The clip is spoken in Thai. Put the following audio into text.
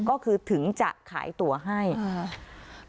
ก็คือถึงจะขายตัวให้อ่า